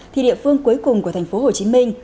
thì địa phương cuối cùng của thành phố hồ chí minh